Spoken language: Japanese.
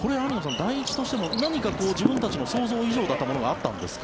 第一としても何か自分たちの想像以上だったものがあったんですか？